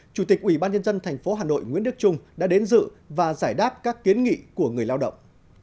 chủ tịch ủy ban nhân dân tp hà nội nguyễn đức trung đã đến dự và giải đáp các kiến nghị của người lao động